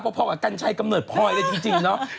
พอกับกันชายกำหนดปลนได้จริงเนอะ